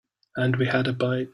And we had a bite.